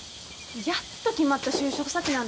やっと決まった就職先なんだよ？